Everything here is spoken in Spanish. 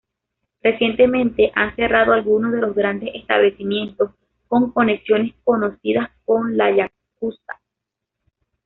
Recientemente han cerrado algunos de los grandes establecimientos con conexiones conocidas con la Yakuza.